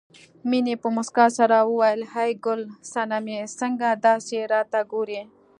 مينې په مسکا سره وویل ای ګل سنمې څنګه داسې راته ګورې